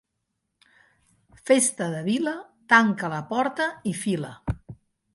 Festa de vila, tanca la porta i fila.